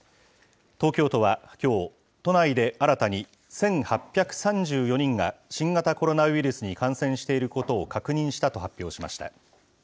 東京都はきょう、都内で新たに１８３４人が新型コロナウイルスに感染していることを確認したと発表しました。